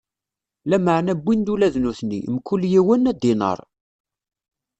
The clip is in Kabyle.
Lameɛna wwin ula d nutni, mkul yiwen, adinaṛ.